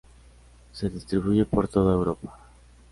Se distribuye por toda Europa.